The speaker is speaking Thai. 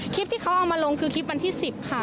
คลิปที่เขาเอามาลงคือคลิปวันที่๑๐ค่ะ